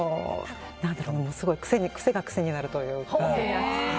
すごい癖が癖になるという。